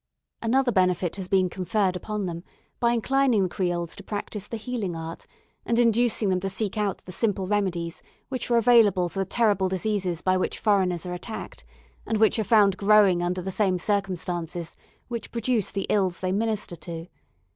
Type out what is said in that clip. Another benefit has been conferred upon them by inclining the Creoles to practise the healing art, and inducing them to seek out the simple remedies which are available for the terrible diseases by which foreigners are attacked, and which are found growing under the same circumstances which produce the ills they minister to.